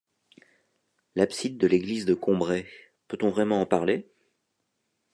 L’abside de l’église de Combray, peut-on vraiment en parler?